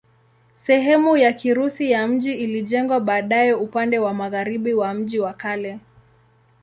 Sehemu ya Kirusi ya mji ilijengwa baadaye upande wa magharibi wa mji wa kale.